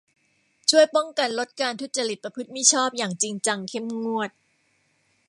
ช่วยป้องกันลดการทุจริตประพฤติมิชอบอย่างจริงจังเข้มงวด